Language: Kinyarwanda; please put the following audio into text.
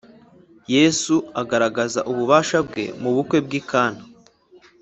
yezu agaragaza ububasha bwe mu bukwe bw’i kana.